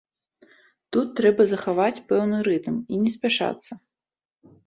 Тут трэба захаваць пэўны рытм і не спяшацца.